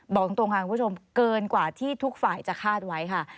บอกตรงค่ะคุณผู้ชมเกินกว่าที่ทุกฝ่ายจะคาดไว้ค่ะ